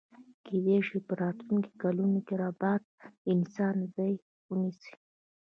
کیدای شی په راتلونکي کلونو کی ربات د انسان ځای ونیسي